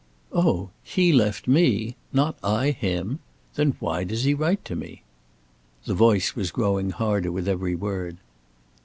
"Oh, he left me? Not I him? Then why does he write to me?" The voice was growing harder with every word.